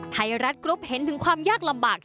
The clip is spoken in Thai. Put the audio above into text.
ไทยรัฐกรุ๊ปเห็นถึงความยากลำบาก